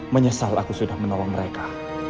menyesal aku sudah menolong mereka